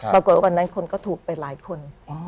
ปรากฏว่าวันนั้นคนก็ถูกไปหลายคน